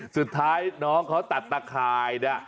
สุดท้ายน้องเขาตัดตะข่ายนะ